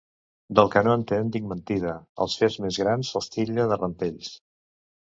Del que no entenc dic mentida, els fets més grans els titlle de rampells.